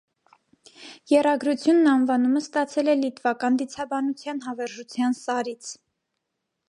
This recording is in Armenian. Եռագրությունն անվանումը ստացել է լիտվական դիցաբանության հավերժության սարից։